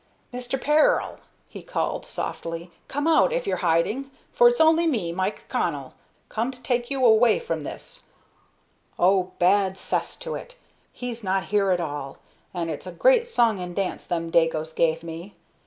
"Mister Peril!" he called, softly; "come out, if you're hiding, for it's only me, Mike Connell, come to take you away from this Oh, bad cess to it, he's not here at all, and it's a great song and dance them Dagos give me!